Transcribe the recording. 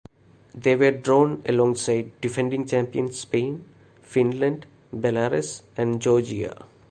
They were drawn alongside defending champions Spain, Finland, Belarus and Georgia.